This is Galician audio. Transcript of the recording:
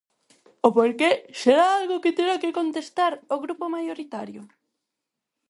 O porqué será algo que terá que contestar o grupo maioritario.